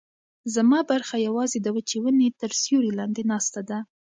زما برخه یوازې د وچې ونې تر سیوري لاندې ناسته ده.